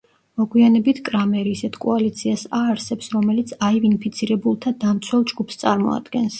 მოგვიანებით კრამერი ისეთ კოალიციას აარსებს, რომელიც აივ-ინფიცირებულთა დამცველ ჯგუფს წარმოადგენს.